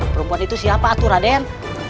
perempuan itu siapa atura den